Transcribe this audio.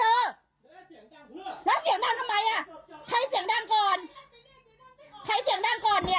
แล้วเสียงดังทำไมอ่ะใครเสียงดังก่อนใครเสียงดังก่อนเนี่ย